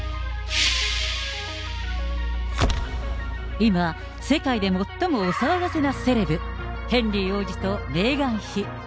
今、世界で最もお騒がせなセレブ、ヘンリー王子とメーガン妃。